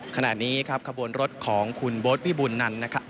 ขณะนี้ครับขบวนรถของคุณโบ๊ทวิบูลนั้นนะครับ